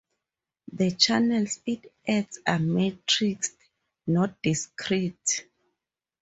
The channels it adds are matrixed, not discrete.